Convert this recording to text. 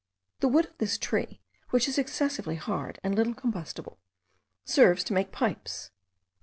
the wood of this tree, which is excessively hard, and little combustible, serves to make pipes.